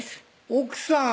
奥さん